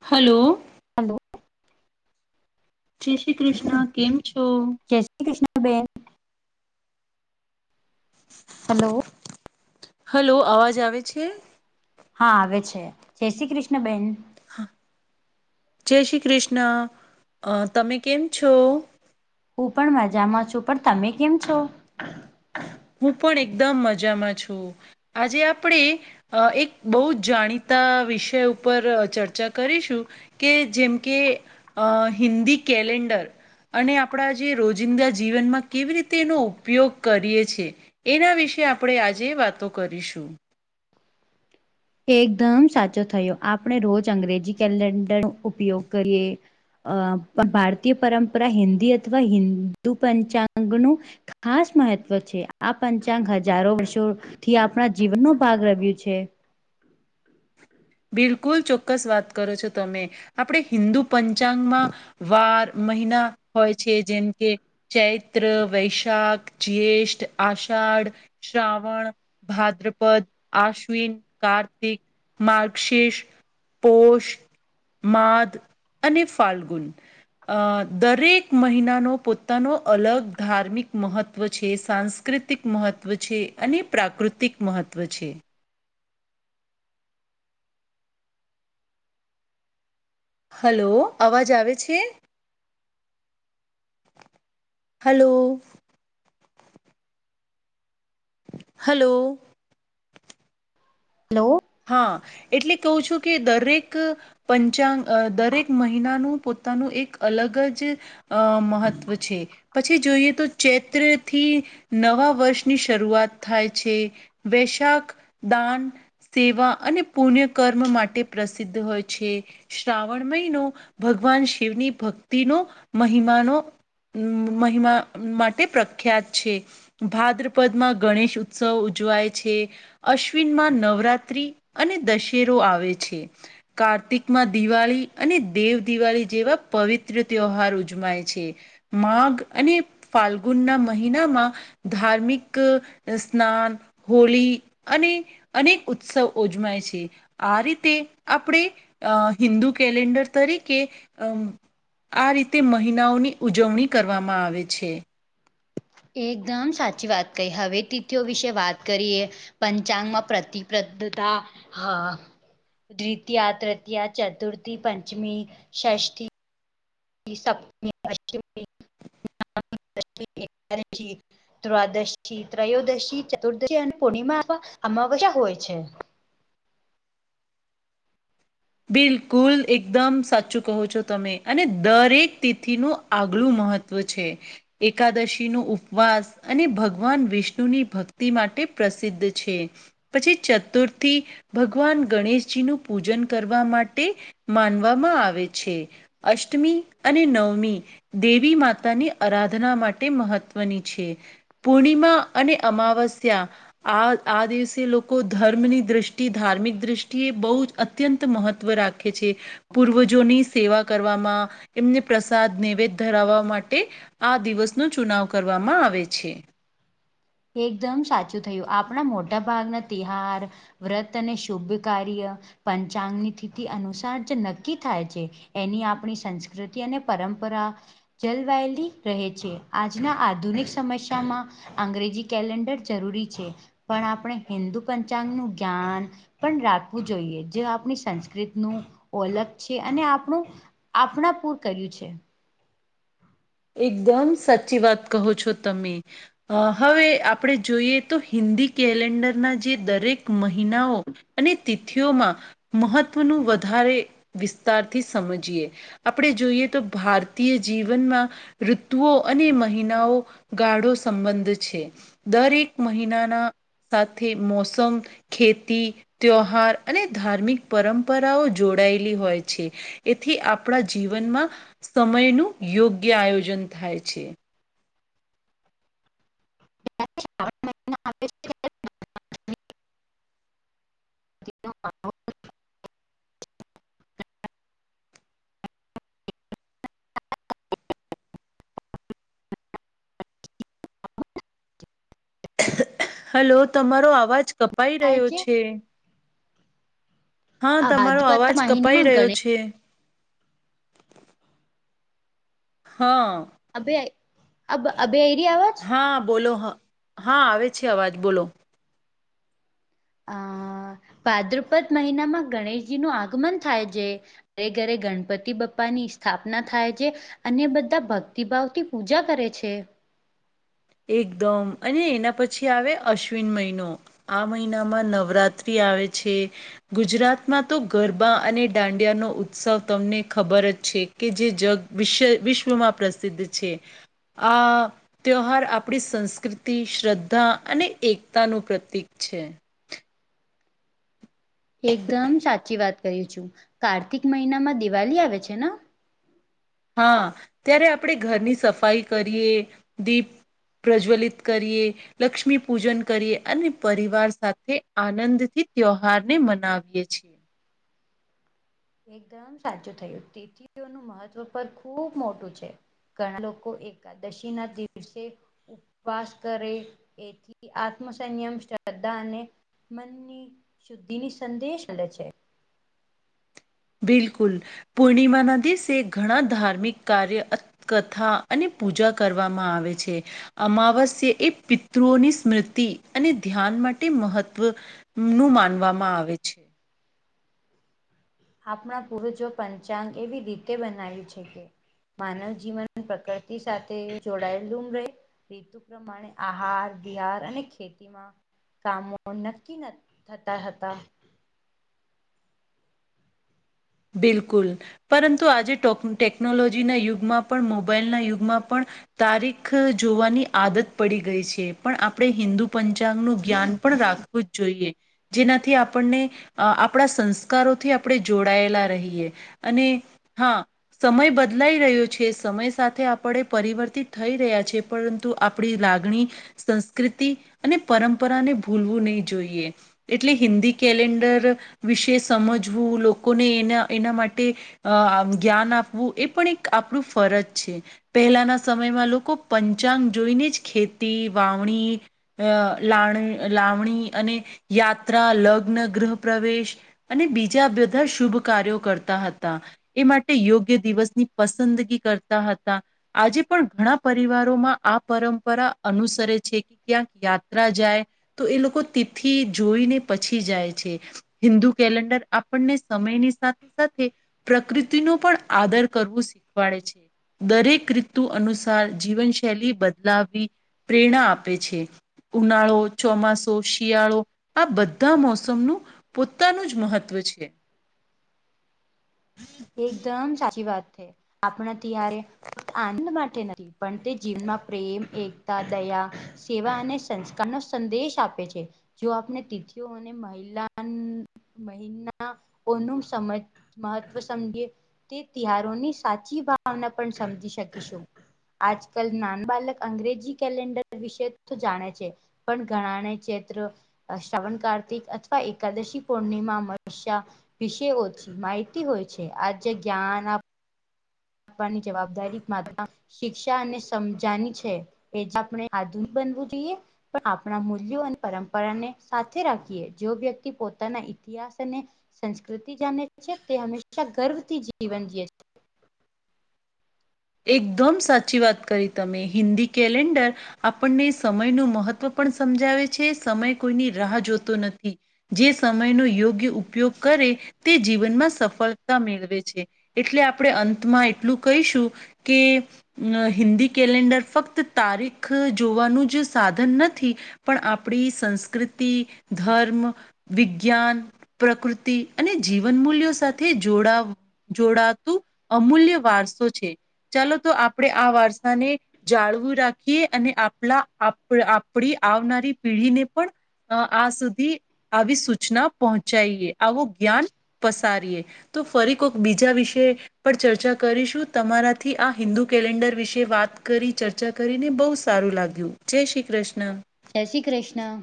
Hello hello જય શ્રી કૃષ્ણ કેમ છો જય શ્રી કૃષ્ણ બેન હલો હલો અવાજ આવે છે હા આવે છે જય શ્રી કૃષ્ણબેન હા જય શ્રી કૃષ્ણ તમે કેમ છો હું પણ મજામાં છું. પણ તમે કેમ છો? હું પણ એકદમ મજામાં છું આજે આપણેે અ એક બહુ જાણીતા વિષય ઉપર ચર્ચા કરીશું કે જેમ કે અ હિન્દી કેલેન્ડર અને આપણા જે રોજિંદા જીવનમાં કેવી રીતે એનો ઉપયોગ કરીએએ એના વિશે આપણેે આજે વાતો કરીશું એકદમ સાચો થયો આપણે રોજ અંગ્રેજી કેલેન્ડર ઉપયોગ કરીએ અ ભારતીય પરંપરા હિન્દી અથવા હિદુ પંચાંગનું ખાસ મહત્વ છે આ પંચાંગ હજારો વર્ષો થી આપણા જીવનનોો ભાગ રમ્યું છે બિલકુલ ચોક્કસ વાત કરો છો તમે આપણે હિન્દુ પંચાંગમાં વાર મહિના હોય છે જેમ કે ચૈત્ર વૈશાખ જ્યેષ્ઠ આષાઢ શ્રાવણ ભાદ્રપદ આશ્વિન કાર્તિક મા અક્ષીસ પોષ માદ અને ફાલ્ગુન અ દરેક મહિનાનો પોતાનો અલગ ધાર્મિક મહત્ત્વ છે સાંસ્ સાસ્કૃતિક મહત્ત્વ છે અને પ્રાકૃતિક મહત્વ છે હલો અવાજ આવે છે હલો હલો હલો હા એટલે કહું છું કે દરેક પંચાંગ દરેક મહિનાનું પોતાનું એક અલગ જ અ મહત્ત્વ છે પછી જોઈએ તો ચૈત્ર થી નવા વર્ષની શરૂઆત થાય છે વૈશાખ દાન સેવા અને પુણ્યકર્મ માટે પ્રસિદ્ધ હોય છે શ્રાવણ મહિનો ભગવાન શિવની ભક્તિનો મહિમાનો મહિમા માટે પ્રખ્યાત છે ભાદ્રપદમાં ગણેશ ઉત્સવ ઉજવાય છે અશ્વિનમાં નવે નવરાત્રી અને દશેરો આવે છે કાર્તિકમાં દિવાળી અને દેવ દિવાળી જેવા પવિત્ર ત્યહાર ઉજમાય છે માઘ અને ફાલ્ગુન ના મહિનામાં ધાર્મિક સ્નાન હોળી અને અનેક ઉત્સવ ઉજમાય છે આ રીતે આપણે અ હિન્દુ કેલેન્ડર તરીકે અમ આ રીતે મહિનાઓની ઉજવણી કરવામાં આવે છે એકદમ સાચી વાત કહી હવે તિથિઓ વિશે વાત કરીએ પંચાંગ માં પ્રતિબદ્ધતા હા દ્વિતીય તૃતીયા ચતુર્થી પંચમી ષ્ઠી સપ્તમ અષ્ટમીમી એકદશી દ્ર્વાદશી ત્રયોદશી ચતુર્દશી અને પૂર્ણિમા આમાં કશા હોય છે બિલકુલ એકદમ સાચું કહો છો તમે અને દરેક તિથિનું આગલું મહત્ત્વ છે એકાદશીનો ઉપવાસ અને ભગવાન વિષ્ણુની ભક્તિ માટે પ્રસિદ્ધ છે. પછી ચતુર્થી ભગવાન ગણેશજી નું પૂજન કરવા માટે માનવામાં આવે છે અષ્ટમી અને નવમી દેવી માતાની આરાધના માટે મહત્વની છે. પૂર્ણિમા અને અમાવસ્યા આ આ દિવસે લોકો ધર્મની દ્રષ્ટિ ધાર્મિક દ્રષ્ટિ બહુ જ અત અત્યંત મહત્ત્વ રાખે છે. પૂર્વજોની સેવા કરવામાં એમને પ્રસાદ નૈવેદ્ય ધરાવવા માટે આ દિવસ નો ચુનાવ કરવામાં આવે છે. એકદમ સાચું થયું આપણા મોટા ભાગના તિહાર વ્રત અને [unintelligible] કાર્ય પંચાંગની થીથી અનુસાર જ નક્કી થાય છે. એની આપણી સંસ્કૃતિ અને પરંપરા જલવાયેલી રહે છે આજના આધુનિક સમસ્યામાં અંગ્રેજી કેલેન્ડર જરૂરી છે પણ આપણે હિન્દુ પંચાંગનું જ્ઞાન પણ રાખવું જોઈએ જે આપણી સંસ્કૃતનું ઓલખ છે અને આપણું આપણા પુર કર્યું છે. એકદમ સાચી વાત કહો છો તમે અ હવે આપણે જોઈએ તો હિન્દી કેલેન્ડરના જે દરેક મહિનાઓ અને તિથિઓમાં મહત્વનું વધારે વિસ્તારથી સમજીએ. આપણે જોઈએ તો ભારતીય જીવનમાં ઋતુઓ અને મહિનાઓ ગાઢો સંબંધ છે દરેક મહિનાના સાથે મોસમ ખેતી ત્યોહાર અને ધાર્મિક પરંપરાઓ જોડાયેલી હોય છે. એથી આપણા જીવનમાં સમયનું યોગ્ય આયોજન થાય છે. [unintelligible] [unintelligible] [inaudible] હલો તમારો આવાજ કપાઈ રહ્યો છે. હા આ તમારો બાજપતા અવાજ કપાઈ મહિનમાં રહ્યો ગણેશ છે. હં. અભે અબ અભેરી આવાજ. હા બોલો હ હા આવે છે અવાજ બોલો. આ પાદ્રપદ મહિનામાં ગણેશજી નું આગમન થાય જે ઘરે ઘરે ગણપતિ બપ્પા ની સ્થાપના થાય છે. અને બધા ભક્તિભાવ થી પૂજા કરે છે. એકદમ અને એના પછી આવે અશ્વિન મહિનો. આ મહિનામાં નવરાત્રિ આવે છે. ગુજરાતમાં તો ગરબા અને દાંડિયાનો ઉત્સવ તમને ખબર જ છે. કે જે જગ વિશય વિશ્વમાં પ્રસિદ્ધ છે આ ત્યોહાર આપણી સંસ્કૃતિ શ્રદ્ધા અને એકતાનું પ્રતીક છે. એકદમ સાચી વાત કહીયુ છું કાર્તિક મહિનામાં દિવાલી આવે છે ના. હા ત્યારે આપણે ઘરની સફાઈ કરીએ દીપ પ્રજ્વલિત કરીએ. લક્ષ્મી પૂજન કરીએ અને પરિવાર સાથે આનંદથી ત્યોહાર ને મનાવીએ છીએ. એકદમ સાચું થયું [unintelligible] મહત્ત્વ પર ખુબ મોટું છે. ઘણા લોકો એકાદશી ના દિવસે વાસ કરે એથી આત્મસંયમ શ્રદ્ધા અને મનની શુદ્ધિ ની સંદેશ [unintelligible] છે. બિલકુલ પૂર્ણિમાના દિવસે ઘણા ધાર્મિક કાર્ય અથ કથા અને પૂજા કરવામાં આવે છે. અમાવસ્ય એ પિતૃઓની સ્મૃતિ અને ધ્યાન માટે મહત્વ નું માનવામાં આવે છે. આપણા પૂર્વજો પંચાંગ એવી રીતે બનાવી છે કે માનવ જીવન પ્રકૃતિ સાથે જોડાયેલું રહે પ્રમાણે આહાર બિહાર અને ખેતીમાં કામો નક્કી ન થતા હતા. બિલકુલ પરંતુ આજે ટેક ટેકનોલોજીના યુગમાં પણ મોબાઈલના યુગમાં પણ તારીખ જોવાની આદત પડી ગઈ છે પણ આપણે હિન્દુ પંચાંગનું જ્ઞાન પણ રાખ વુ જોઈએ જેનાથી આપણને આપણા સંસ્કારોથી આપણે જોડ જોડાયેલા રહીએ અને હા સમય બદલાઈ રહ્યો છે સમય સાથે આપણે પરિવર્તિત થઈ રહ્યા છે. પરંતુ આપણી લાગણી સંસ્કૃતિ અને પરંપરાને ભૂલવું નહી જોઈએ. એટલે હિન્દી કેલેન્ડર વિશે સમજવું લોકો લોકોને એના માટે અ જ્ઞાન આપવું એ પણ એક આપણું ફરજ છે. પહેલાના સમયમાં લોકો પંચાંગ જોઈને જ ખેતી વાવણી અ લા લાવણી અને યાત્રા લગ્ન ગૃહ પ્રવેશ અને બીજા બધા શુભ કાર્યો કરતા હતા. એ માટે યોગ્ય દિવસની પસંદગી કરતા હતા. આજે પણ ઘણા પરિવારોમાં આ પરંપરા અનુસરે છે ક્યાંક યાત્રા જાય તો એ લોકો તેથી જોઈને પછી જાય છે. હિન્દુ કેલેન્ડર આપ આપણને સમયની સાથે-સાથે પ્રકૃતિનું પણ આદર કરવું શીખવાડે છે. દરેક ઋતુ અનુસાર જીવનશૈલી બદલાવી પ્રેરણા આપે છે. ઉનાળો, ચોમાસો, શિયાળો આ બધા મોસમનું પોતાનું જ મહત્ત્વ છે. એકદમ સાચી વાત છે આપણે ત્યારે ફક્ત આનંદ માટે નથી પણ તે જીવનમાં પ્રેમ, એકતા, દયા, સેવા અને સંસ્કાર કારનો સંદેશ આપે છે જો આપણે તિથિઓ અને મહિલા મહિનાઓનું સમજ મહત્વ છે સમજી તે તહેવારોની સાચી ભાવના પણ સમજી શકીશું. આજકાલ નાન બાલક અંગ્રેજી કલેન્ડર વિશેય તો જાણે છે. પણ ઘણાને ચેત્ર શ્રાવણ કાર્તિક અથવા એકાદશી પૂર્ણિમા મવિષ્યા વિશે ઓછી માહિતી હોય છે આ જે જ્ઞાન આ આપવાની જવાબદારી માત્ર શિક્ષા અને સમજાની છે એ આપણે આધુનિક બનવું જોઈએ. પણ આપણા મૂલ્યો અને પરંપરાને સાથે રાખીએ જો વ્યક્તિ પોતાના ઇતિહાસને સંસ્કૃતિ જાને છે તે હંમેશા ગર્વથી જીવન જીવે છે. એકદમ સાચી વાત કરી તમે હિન્દી કેલેન્ડર આપણને સમયનું મહત્ત્વ પણ સમજાવે છે સમય કોઈની રાહ જોતો નથી. જે સમયનો યોગ્ય ઉપયોગ કરે તે જીવનમાં સફળતા મેળવે છે એટલે આપણે અંતમાં એટલું કહીશું કે હિન્દી કેલેન્ડર ફક્ત તારીખ જોવાનું જ સાધન નથી. પણ આપણી સંસ્કૃતિ, ધર્મ, વિજ્ઞાન પ્રકૃતિ અને જીવન મૂલ્યો સાથે જોડાવ જોડાતું અમૂલ્ય વારસો છે ચાલો તો આપણે આ વારસાને જાળવી રાખીએ અને આપણા આપણી આવનારી પેઢીને પણ આ સુધી આવી સૂચના પહોંચાડીએ. આવું જ્ઞાન પસારીએ તો ફરી કોક બીજા વિષય પર ચર્ચા કરીશું તમારા થી આ હિન્દુ કેલેન્ડર વિશે વાત કરી ચર્ચા કરીને બ‌ઉ સારું લાગ્યું. જય શ્રી કષ્ણ. જય શ્રી કૃષ્ણ.